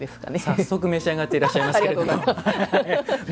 早速、召し上がっていらっしゃいますけれども。